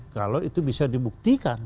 kalau itu bisa dibuktikan